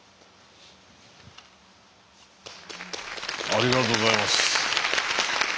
ありがとうございます。